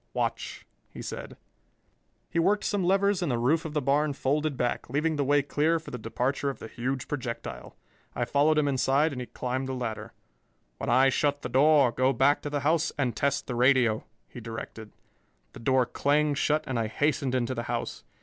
"Watch," he said. He worked some levers and the roof of the barn folded back, leaving the way clear for the departure of the huge projectile. I followed him inside and he climbed the ladder. "When I shut the door, go back to the house and test the radio," he directed. The door clanged shut and I hastened into the house.